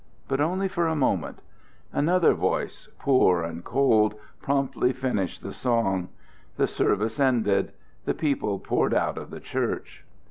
But only for a moment: another voice, poor and cold, promptly finished the song; the service ended; the people poured out of the church.